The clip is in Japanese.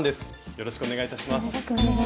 よろしくお願いします。